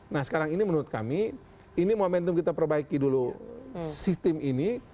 nah sekarang ini menurut kami ini momentum kita perbaiki dulu sistem ini